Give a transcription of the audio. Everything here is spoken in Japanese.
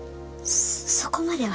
そそこまでは。